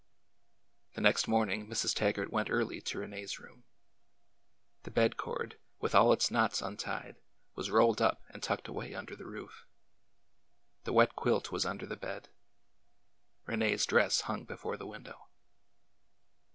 The next morning, Mrs. Taggart went early to Rene's room. The bed cord, with all its knots untied, was rolled up and tucked away under the roof. The wet quilt was under the bed. Rene's dress hung before the window.